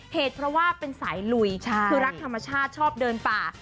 เหตุเพราะว่าเป็นสายลุยคือรักธรรมชาติชอบเดินป่า